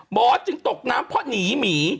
จึงตกน้ำเพราะหนีหมี